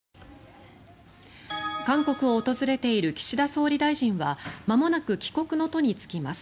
韓国を訪れている岸田総理大臣はまもなく帰国の途に就きます。